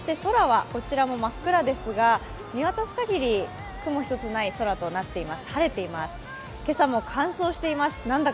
空はこちらも真っ暗ですが、見渡す限り雲一つない空となっています。